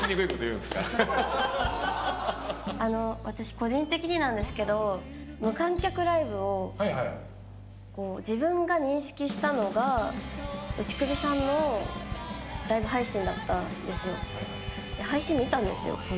私個人的になんですけど無観客ライブを自分が認識したのが打首さんのライブ配信だったんですよ。